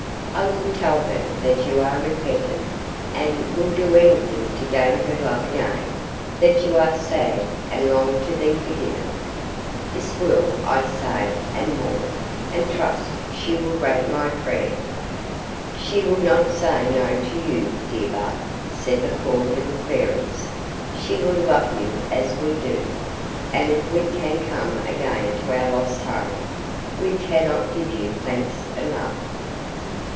I will tell her that you are repentant, and will do anything to gain her love again; that you are sad, and long to be forgiven. This will I say, and more, and trust she will grant my prayer." "She will not say no to you, dear Bud," said the poor little Fairies; "she will love you as we do, and if we can but come again to our lost home, we cannot give you thanks enough.